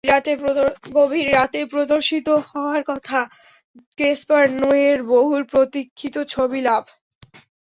গভীর রাতে প্রদর্শিত হওয়ার কথা গেসপার নোয়ের বহুল প্রতীক্ষিত ছবি লাভ।